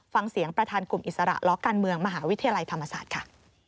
ฟังเสียงประธานกลุ่มอิสระล้อการเมืองมหาวิทยาลัยธรรมศาสตร์ค่ะ